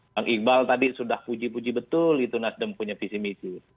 bang iqbal tadi sudah puji puji betul itu nasdem punya visi misi